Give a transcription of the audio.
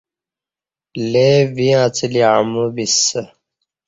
لے ویں اڅہ لی امعو بِسہ